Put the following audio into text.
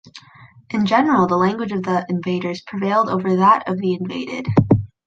In general, the language of the invaders prevailed over that of the invaded.